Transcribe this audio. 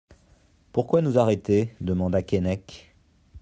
Pourquoi nous arrêter ? demanda Keinec.